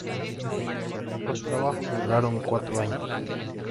Los trabajos duraron cuatro años.